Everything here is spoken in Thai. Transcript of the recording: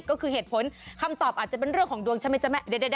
ก็คือเหตุผลคำตอบอาจจะเป็นเรื่องของดวงใช่ไหมจ๊ะ